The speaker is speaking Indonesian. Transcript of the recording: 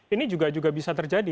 ini juga bisa terjadi